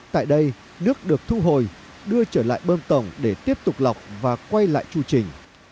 tại đây nước được thu hồi đưa trở lại bơm tổng để tiếp tục lọc và quay lại chu trình